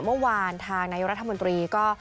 เมื่อวานทางนายรัฐมนตรีก็